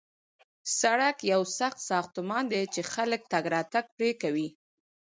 سړک یو سخت ساختمان دی چې خلک تګ راتګ پرې کوي